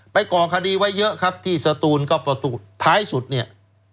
ก่อคดีไว้เยอะครับที่สตูนก็ประตูท้ายสุดเนี่ย